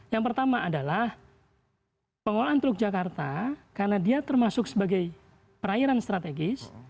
yang pertama adalah pengelolaan teluk jakarta karena dia termasuk sebagai perairan strategis